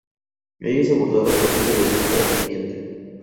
Ella es abordada por un periodista y miente.